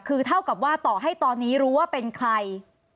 คือเท่ากับว่าต่อให้ตอนนี้รู้ว่าเป็นใคร